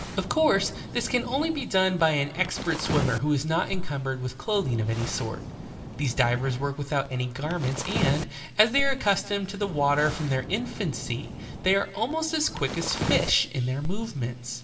Of course, this can only be done by an expert swimmer who is not encumbered with clothing of any sort. These divers work without any garments, and, as they are accustomed to the water from their infancy, ^ they are almost as quick as fish in their movements, i